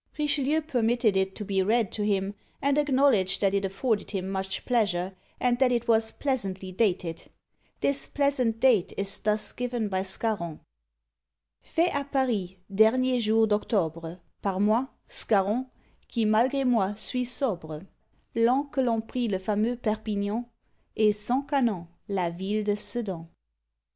Richelieu permitted it to be read to him, and acknowledged that it afforded him much pleasure, and that it was pleasantly dated. This pleasant date is thus given by Scarron: Fait à Paris dernier jour d'Octobre, Par moi, Scarron, qui malgre moi suis sobre, L'an que l'on prit le fameux Perpignan, Et, sans canon, la ville de Sedan.